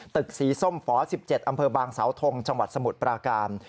ตึกสีส้มฝ๑๗อำเภอบางสาวทงจังหวัดสมุทรปราการ